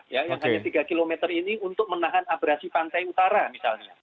ya yang hanya tiga km ini untuk menahan abrasi pantai utara misalnya